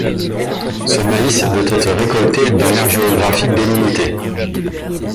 Ce maïs doit être récolté dans l’aire géographique délimitée.